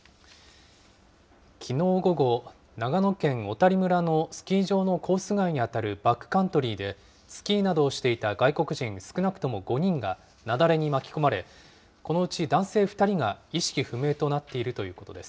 きのう午後、長野県小谷村のスキー場のコース外に当たるバックカントリーでスキーなどをしていた外国人少なくとも５人が雪崩に巻き込まれ、このうち男性２人が意識不明となっているということです。